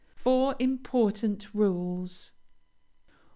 FOUR IMPORTANT RULES.